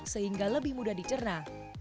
sehingga lebih mudah dicerna